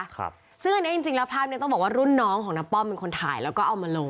ครับซึ่งอันนี้จริงจริงแล้วภาพเนี้ยต้องบอกว่ารุ่นน้องของน้าป้อมเป็นคนถ่ายแล้วก็เอามาลง